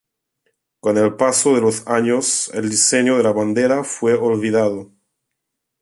Con el paso de los años, el diseño de la bandera fue olvidado.